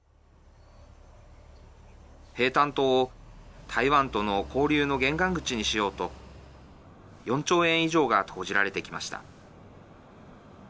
平潭島を台湾との交流の玄関口にしようと４兆円以上が投じられてきました。